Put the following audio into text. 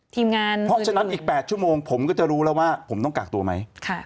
ทีมงานเพราะฉะนั้นอีก๘ชั่วโมงผมก็จะรู้แล้วว่าผมต้องกากตัวไหม